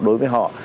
đối với họ